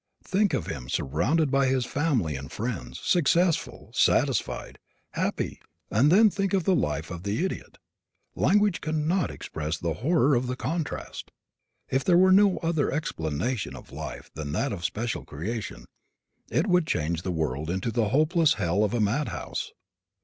Think of him surrounded by his family and friends, successful, satisfied, happy, and then think of the life of the idiot. Language cannot express the horror of the contrast! If there were no other explanation of life than that of special creation it would change the world into the hopeless hell of a mad house.